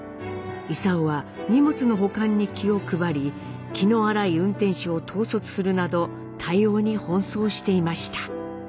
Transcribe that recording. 勲は荷物の保管に気を配り気の荒い運転手を統率するなど対応に奔走していました。